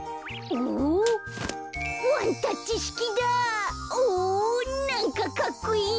おおなんかかっこいいな！